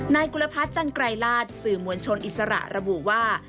กุลพัฒน์จันไกรราชสื่อมวลชนอิสระระบุว่า